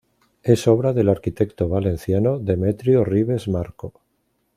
Es obra del arquitecto valenciano Demetrio Ribes Marco.